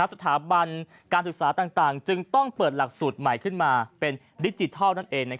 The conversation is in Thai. สถาบันการศึกษาต่างจึงต้องเปิดหลักสูตรใหม่ขึ้นมาเป็นดิจิทัลนั่นเอง